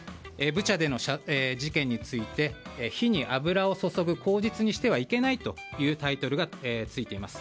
ブチャでの事件について火に油を注ぐ口実にしてはいけないというタイトルがついています。